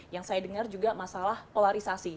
yang saya dengar juga masalah polarisasi